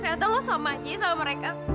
ternyata lo sama aja sama mereka